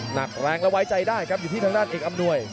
หนักแรงและไว้ใจได้ครับอยู่ที่ทางด้านเอกอำนวย